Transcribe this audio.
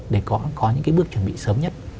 để có những cái bước chuẩn bị sớm nhất